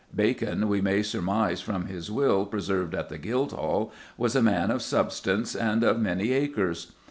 Bacon, we may surmise from his will preserved at the Guildhall, was a man of substance and of many acres.